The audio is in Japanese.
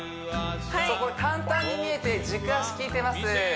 これ簡単に見えて軸足きいてます